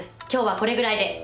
今日はこれぐらいで。